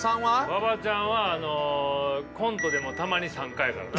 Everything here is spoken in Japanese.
馬場ちゃんはコントでもたまに参加やからな。